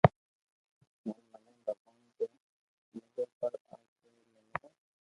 ھين مني ڀگوان ڪوئي مليو پر آ چور ني ملي